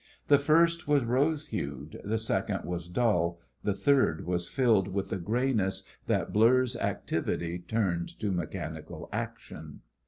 The first was rose hued; the second was dull; the third was filled with the grayness that blurs activity turned to mechanical action.